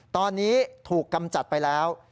ตอนนี้ถูกกำจัดไปแล้ว